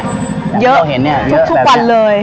เยอะทุกวันเลย